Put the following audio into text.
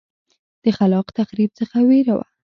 د خلاق تخریب څخه وېره وه.